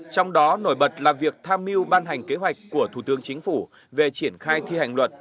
trong đó nổi bật là việc tham mưu ban hành kế hoạch của thủ tướng chính phủ về triển khai thi hành luật